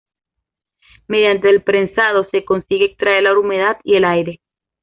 Mediante el prensado se consigue extraer la humedad y el aire.